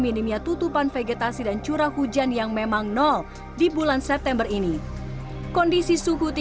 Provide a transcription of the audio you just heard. minimnya tutupan vegetasi dan curah hujan yang memang nol di bulan september ini kondisi suhu